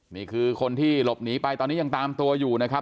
นี่คือคนที่หลบหนีไปตอนนี้ยังตามตัวอยู่นะครับ